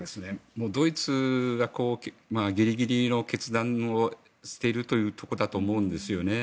ドイツがギリギリの決断をしているというところだと思うんですよね。